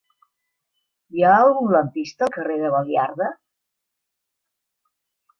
Hi ha algun lampista al carrer de Baliarda?